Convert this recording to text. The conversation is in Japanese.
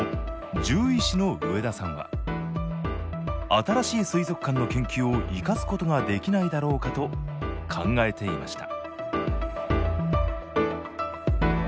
獣医師の植田さんは新しい水族館の研究を生かすことができないだろうかと考えていました